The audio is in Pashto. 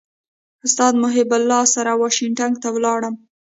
استاد محب الله سره واشنګټن ته ولاړم.